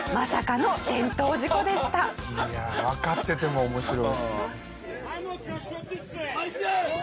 いやあわかってても面白い。